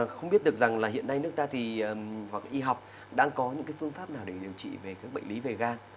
không biết được rằng là hiện nay nước ta thì hoặc y học đang có những phương pháp nào để điều trị về các bệnh lý về gan